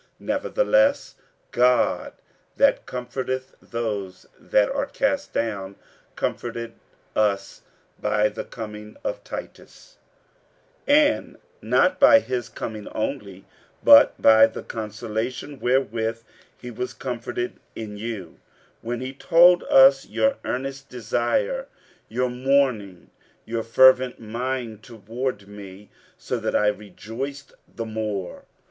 47:007:006 Nevertheless God, that comforteth those that are cast down, comforted us by the coming of Titus; 47:007:007 And not by his coming only, but by the consolation wherewith he was comforted in you, when he told us your earnest desire, your mourning, your fervent mind toward me; so that I rejoiced the more.